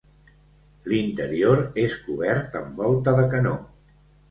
L'interior és cobert amb volta de canó.